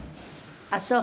ああそう。